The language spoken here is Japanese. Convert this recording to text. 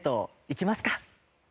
「行きますか？」